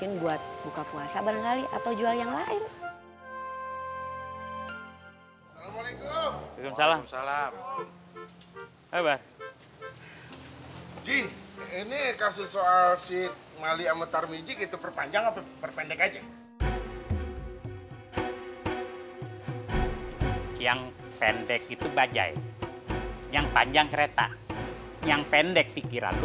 itu perpanjang atau perpendek aja yang pendek itu bajaj yang panjang kereta yang pendek pikiran